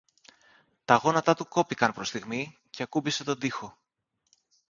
Τα γόνατά του κόπηκαν προς στιγμή και ακούμπησε τον τοίχο.